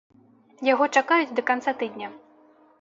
Яго чакаюць да канца тыдня.